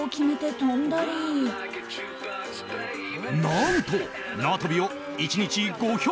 何と、縄跳びを１日５００回。